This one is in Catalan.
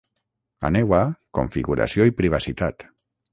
Aneu a ‘Configuració i privacitat’.